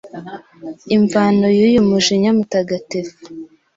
Imvano y’uyu mujinya mutagatifu